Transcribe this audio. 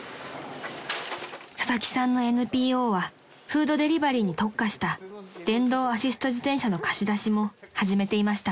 ［佐々木さんのＮＰＯはフードデリバリーに特化した電動アシスト自転車の貸し出しも始めていました］